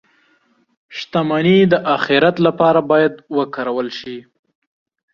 • شتمني د آخرت لپاره باید وکارول شي.